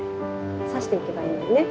刺していけばいいんだよね？